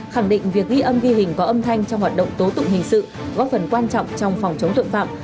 khẳng định việc ghi âm ghi hình có âm thanh trong hoạt động tố tụng hình sự góp phần quan trọng trong phòng chống tội phạm